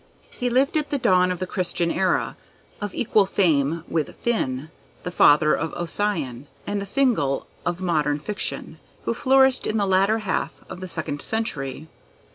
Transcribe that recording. He lived at the dawn of the Christian era. Of equal fame was Finn, the father of Ossian, and the Fingal of modern fiction, who flourished in the latter half of the second century.